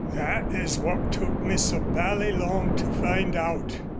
"That is what took me so bally long to find out.